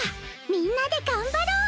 みんなで頑張ろう！